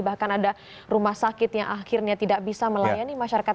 bahkan ada rumah sakit yang akhirnya tidak bisa melayani masyarakat